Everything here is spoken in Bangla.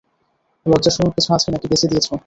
লজ্জা শরম কিছু আছে, নাকি বেঁচে দিয়েছ?